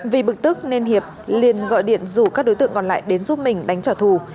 vì bực tức nên hiệp liền gọi điện rủ các đối tượng còn lại đến giúp mình đánh trả thù